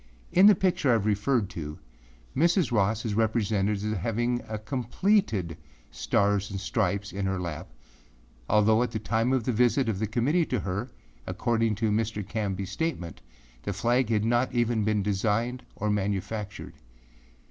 In the picture I have referred to, Mrs. Ross is represented as having a completed Stars and Stripes in her lap, although, at the time of the visit of the Committee to her, according to Mr. Canbyâs statement, the flag had not even been designed or manufactured.